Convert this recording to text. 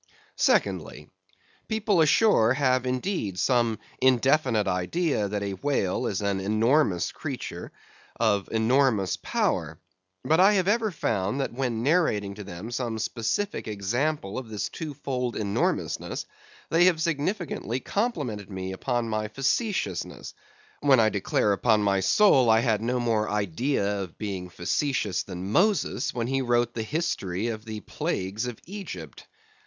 Secondly: People ashore have indeed some indefinite idea that a whale is an enormous creature of enormous power; but I have ever found that when narrating to them some specific example of this two fold enormousness, they have significantly complimented me upon my facetiousness; when, I declare upon my soul, I had no more idea of being facetious than Moses, when he wrote the history of the plagues of Egypt.